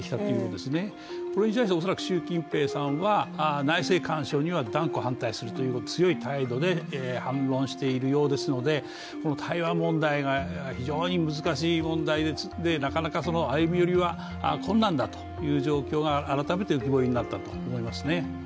これに対して恐らく習近平さんは内政干渉には断固反対するという強い態度で反論しているようですので台湾問題が非常に難しい問題で、なかなか歩み寄りは困難だという状況が改めて浮き彫りになったと思いますね。